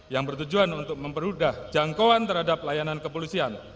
yang bertujuan untuk mempermudah jangkauan terhadap layanan kepolisian